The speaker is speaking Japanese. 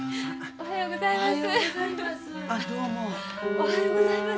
おはようございます。